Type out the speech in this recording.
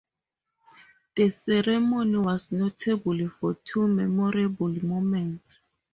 The ceremony was notable for two memorable moments.